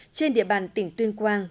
trên địa bàn tỉnh tuyên quang